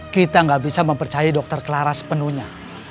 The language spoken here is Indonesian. kita nggak bisa mempercayai dokter clara sepenuhnya